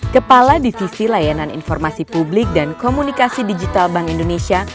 kepala divisi layanan informasi publik dan komunikasi digital bank indonesia